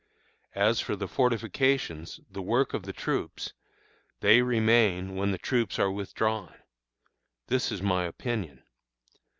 As for the fortifications, the work of the troops, they remain when the troops are withdrawn. This is my opinion.